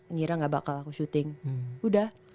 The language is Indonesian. ngira gak bakal aku syuting udah